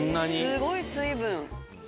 すごい水分。